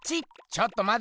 ちょっとまて。